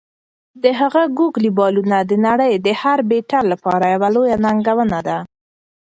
د هغه "ګوګلي" بالونه د نړۍ د هر بیټر لپاره یوه لویه ننګونه ده.